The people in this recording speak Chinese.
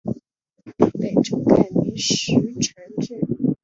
北周改名石城郡。